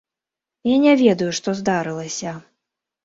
Я не ведаю, што здарылася.